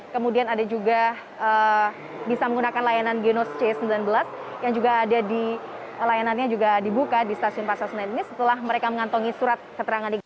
kemudian ada juga bisa menggunakan layanan genos c sembilan belas yang juga ada di layanannya juga dibuka di stasiun pasar senen ini setelah mereka mengantongi surat keterangan negatif